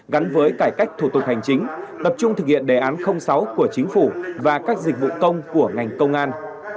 gắn với cải cách thủ tục hành chính tập trung thực hiện đề án sáu của chính phủ và các dịch vụ công của ngành công an